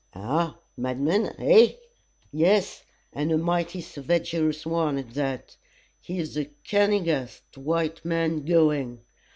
"A madman, eh?" "Yes, and a mighty sevagerous one at that. He's the cunningest white man going.